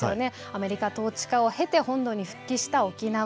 アメリカ統治下を経て本土に復帰した沖縄。